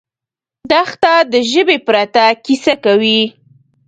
دښته د ژبې پرته کیسه کوي.